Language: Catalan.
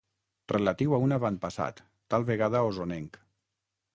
Relatiu a un avantpassat, tal vegada osonenc.